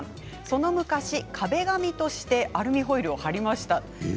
その昔、壁紙としてアルミホイルを貼りました。